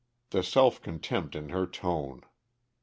The self contempt in her tone!